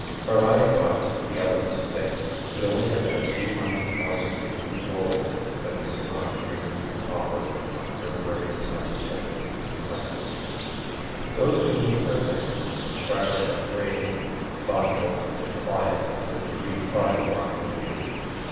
Maria Bronte, the eldest of six, could only have been a few months more than six years old, when Mr. Bronte removed to Haworth, on February the 25th, 1820. Those who knew her then, describe her as grave, thoughtful, and quiet, to a degree far beyond her years.